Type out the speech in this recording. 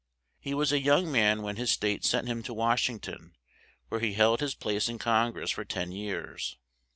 He was a young man when his state sent him to Wash ing ton where he held his place in Con gress for ten years.